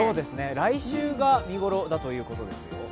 来週が見頃だということですよ。